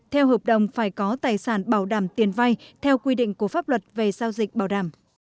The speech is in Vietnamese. theo hợp đồng phải có tài sản bảo đảm tiền vay theo quy định của pháp luật về giao dịch bảo đảm